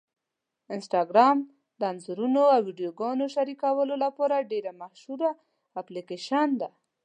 انسټاګرام د انځورونو او ویډیوګانو شریکولو لپاره ډېره مشهوره اپلیکېشن ده.